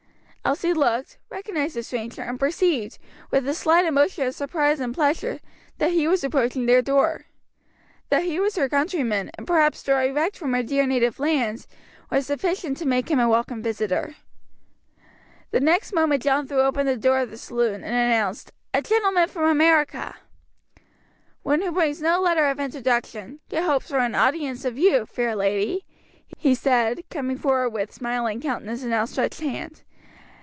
Elsie looked, recognized the stranger, and perceived, with a slight emotion of surprise and pleasure, that he was approaching their door. That he was her countryman, and perhaps direct from her dear native land, was sufficient to make him a welcome visitor. The next moment John threw open the door of the saloon and announced, "A gentleman from America!" "One who brings no letter of introduction; yet hopes for an audience of you, fair lady," he said, coming forward with smiling countenance and outstretched hand.